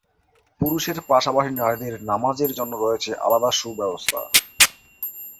পুরুষের পাশাপাশি নারীদের নামাজের জন্য রয়েছে আলাদা সুব্যবস্থা।